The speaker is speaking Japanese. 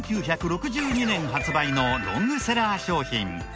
１９６２年発売のロングセラー商品。